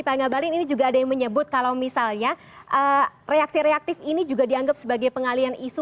pak ngabalin ini juga ada yang menyebut kalau misalnya reaksi reaktif ini juga dianggap sebagai pengalian isu